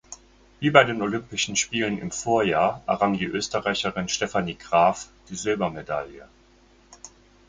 Wie bei den Olympischen Spielen im Vorjahr errang die Österreicherin Stephanie Graf die Silbermedaille.